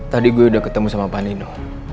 tadi gue udah ketemu sama panino